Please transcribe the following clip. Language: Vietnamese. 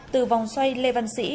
từ vòng xoay lê văn sĩ